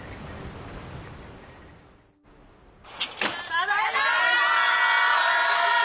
ただいま！